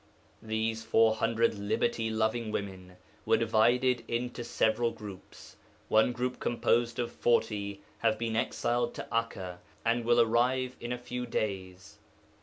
These four hundred liberty loving women were divided into several groups. One group composed of forty have been exiled to Akka, and will arrive in a few days.